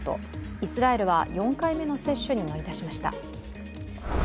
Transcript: イスラエルは４回目の接種に乗り出しました。